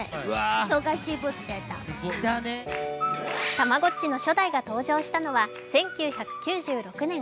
たまごっちの初代が登場したのは１９９６年。